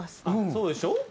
そうでしょ？